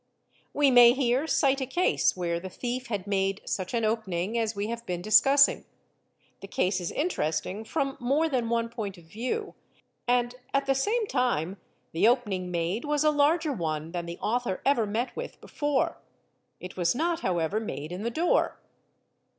We may here cite a case where the thief had made such an opening as we have been discussing; the case is interesting from more than one ENTERING BY THE DOOR 731 7 point of view, and at the same time the opening made was a larger one than the author ever met with before; it was not however made in the door.